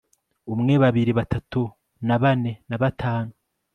umwe, babiri, batatu na bane na batanu